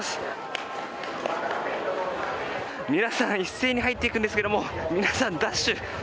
皆さん一斉に入っていくんですが皆さん、ダッシュ。